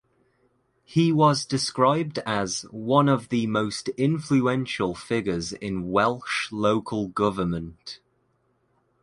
He was described as "one of the most influential figures in Welsh local government".